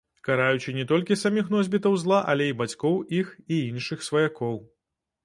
Караючы не толькі саміх носьбітаў зла, але і бацькоў іх і іншых сваякоў.